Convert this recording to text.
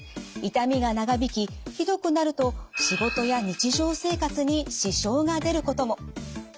痛みが長引きひどくなると仕事や日常生活に支障が出ることも。